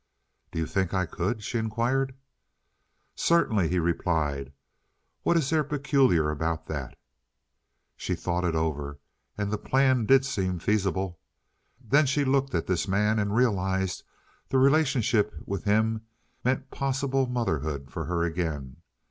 "Do you think I could?" she inquired. "Certainly," he replied. "What is there peculiar about that?" She thought it over, and the plan did seem feasible. Then she looked at this man and realized that relationship with him meant possible motherhood for her again.